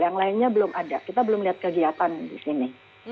yang lainnya belum ada kita belum lihat kegiatan di sini